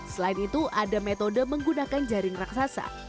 selain itu ada metode menggunakan jaring raksasa